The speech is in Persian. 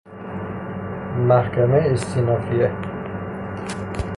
محکمه استینافیه